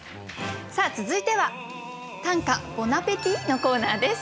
さあ続いては「短歌ボナペティ」のコーナーです。